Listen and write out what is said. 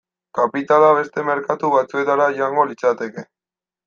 Kapitala beste merkatu batzuetara joango litzateke.